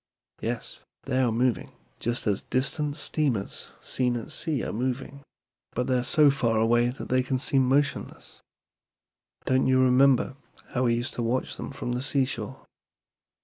"Yes, they are moving, just as distant steamers seen at sea are moving; but they are so far away that they seem motionless. Don't you remember how we used to watch them from the seashore.